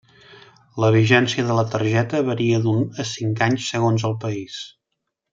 La vigència de la targeta varia d'un a cinc anys segons el país.